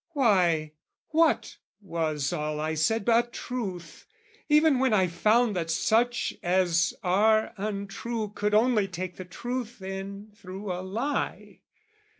why, what was all I said but truth, Even when I found that such as are untrue Could only take the truth in through a lie?